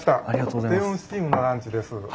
ありがとうございます。